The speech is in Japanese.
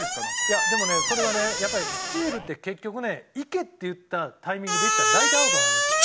いやでもねそれがやっぱりスチールって結局ねいけっていったタイミングでいったら大体アウトになるんですよ。